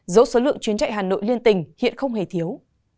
dẫu số lượng chuyến chạy hà nội liên tình hiện không hề thiếu